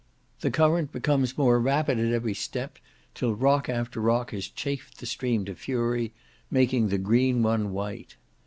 The current becomes more rapid at every step, till rock after rock has chafed the stream to fury, making the green one white.